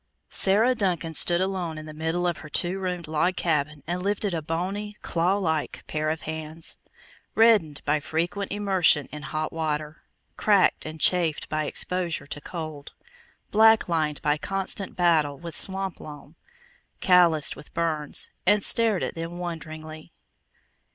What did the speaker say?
Sarah Duncan stood alone in the middle of her two roomed log cabin and lifted a bony, clawlike pair of hands, reddened by frequent immersion in hot water, cracked and chafed by exposure to cold, black lined by constant battle with swamp loam, calloused with burns, and stared at them wonderingly.